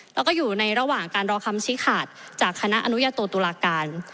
แล้วก็อยู่ในระหว่างการรอคำชี้ขาดจากคณะอนุญาโตตุลาการ